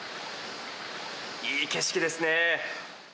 いい景色ですね。